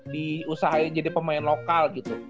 diusahain jadi pemain lokal gitu